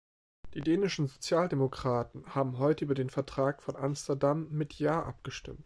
Die dänischen Sozialdemokraten haben heute über den Vertrag von Amsterdam mit ja abgestimmt.